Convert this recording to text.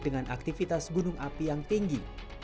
dengan aktivitas gunung api yang tinggi